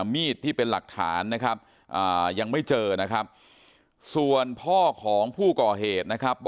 มีดที่เป็นหลักฐานนะครับยังไม่เจอนะครับ